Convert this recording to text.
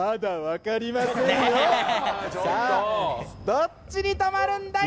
どっちに止まるんだい？